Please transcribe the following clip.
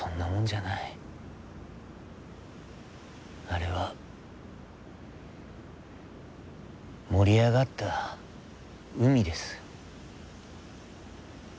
あれは盛り上がった海です。